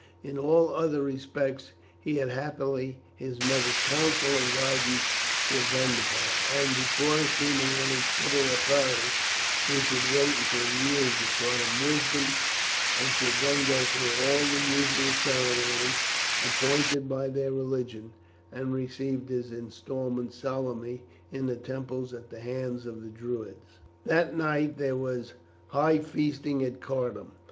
In all other respects he had happily his mother's counsel and guidance to depend upon, and before assuming any civil authority he should wait until years had taught him wisdom, and should then go through all the usual ceremonies appointed by their religion, and receive his instalment solemnly in the temple at the hands of the Druids. That night there was high feasting at Cardun.